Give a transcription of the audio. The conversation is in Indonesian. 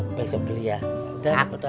kami juga mencari jalan untuk mencari jalan